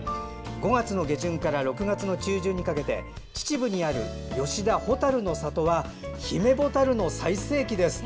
５月の下旬から６月中旬にかけて秩父にある、吉田ほたるの郷はヒメボタルの最盛期です。